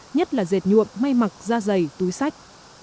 nhất là dệt nhuộm may mặc da dày túi sách